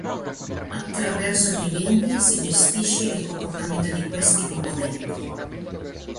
Attraverso gli eventi si gestisce il comportamento di questi componenti.